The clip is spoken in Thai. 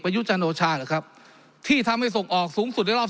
ในยุทธอะนูชาหรอครับที่ทำให้ส่งออกสูงสุดหลังไม่หรอ